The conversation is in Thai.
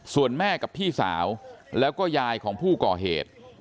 ส่วนแม่กับพี่สาวแล้วก็ยายของผู้ก่อเหตุ